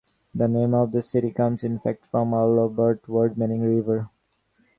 The name of the city comes in fact from a Lombard word, meaning "river".